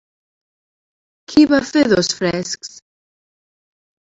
Qui va fer dos frescs?